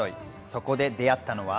そこで出会ったのは。